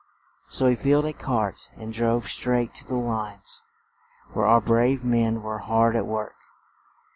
So he filled a cart and drove straight to the lines, where our brave men were hard at work.